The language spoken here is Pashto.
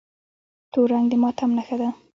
تور رنګ د ماتم نښه ده.